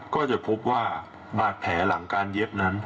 ก็จะพบว่าบาดแผลหลังการเย็บนั้น